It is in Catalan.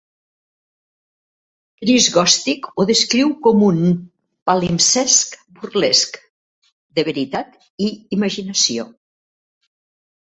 Chris Gostick ho descriu com "un palimpsest burlesc de veritat i imaginació".